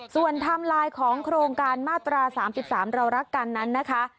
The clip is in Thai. ส่วนไทม์ไลน์ของโครงการมาตรา๓๓เรารักกันนั้นนะคะ